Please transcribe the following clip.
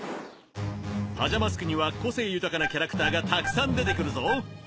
パジャマスクには個性豊かなキャラクターがたくさん出てくるぞ。